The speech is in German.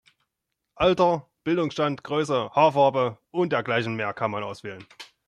Alter, Bildungsstand, Größe, Haarfarbe und dergleichen mehr kann man auswählen.